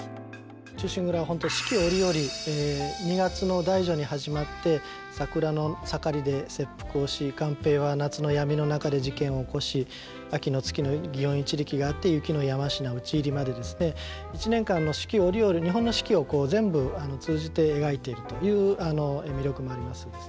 「忠臣蔵」は本当に四季折々２月の大序に始まって桜の盛りで切腹をし勘平は夏の闇の中で事件を起こし秋の月の祇園一力があって雪の山科、討ち入りまで１年間の四季折々日本の四季を全部、通じて描いているという魅力もあります。